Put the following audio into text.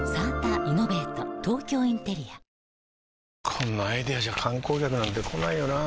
こんなアイデアじゃ観光客なんて来ないよなあ